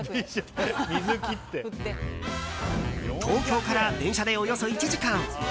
東京から電車でおよそ１時間。